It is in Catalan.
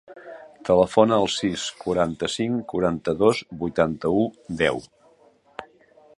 Telefona al sis, quaranta-cinc, quaranta-dos, vuitanta-u, deu.